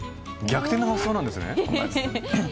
逆転の発想なんですね。